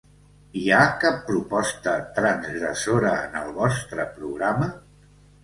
Hi ha cap proposta transgressora en el vostre programa?